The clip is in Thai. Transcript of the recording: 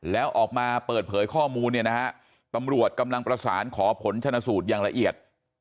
แล้วออกมาเปิดเผยข้อมูลเนี่ยนะฮะตำรวจกำลังประสานขอผลชนสูตรอย่างละเอียด